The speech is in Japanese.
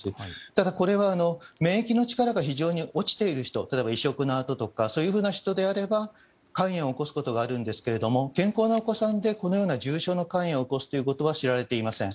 ただ、これは免疫の力が非常に落ちている人例えば移植のあととかそういう人であれば肝炎を起こすことがあるんですけど健康なお子さんでこのような重症の肝炎を起こすということは知られていません。